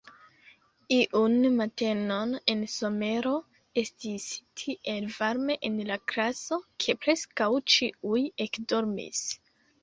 Iun matenon en somero, estis tiel varme en la klaso, ke preskaŭ ĉiuj ekdormis.